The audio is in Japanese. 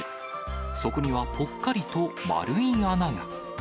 そこにはぽっかりと丸い穴が。